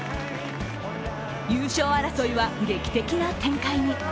優勝争いは劇的な展開に。